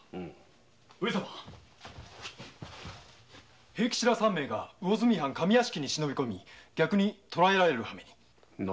上様平吉ら三名が魚住藩上屋敷に忍び込み逆に捕らえられるハメに。